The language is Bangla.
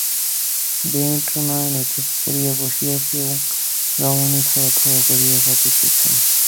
বিনিদ্র নয়নে চুপ করিয়া বসিয়া কেও রমণী থরথর করিয়া কাঁপিতেছে।